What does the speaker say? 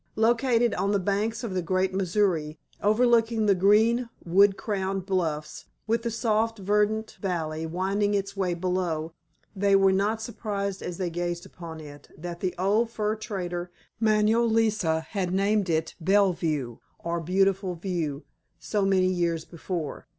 Located on the banks of the great Missouri, overlooking the green wood crowned bluffs, with the soft verdant valley winding its way below, they were not surprised as they gazed upon it that the old fur trader, Manuel Lisa, had named it "belle vue," or "beautiful view," so many years before.